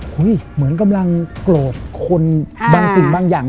เหมือนกำลังโกรธคนบางสิ่งบางอย่าง